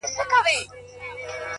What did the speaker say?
• او د غره لمن له لیری ورښکاره سول ,